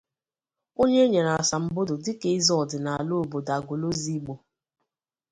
onye e nyere asambodo dịka eze ọdịnala obodo Agụlụzigbo.